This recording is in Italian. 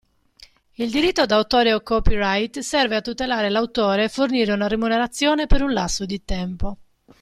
Il Diritto d'autore o Copyright serve a tutelare l'autore e fornire una remunerazione per un lasso di tempo.